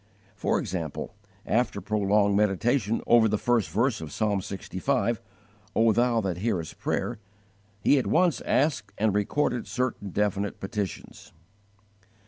For example, after prolonged meditation over the first verse of Psalm lxv, "O Thou that hearest prayer," he at once asked and recorded certain definite petitions.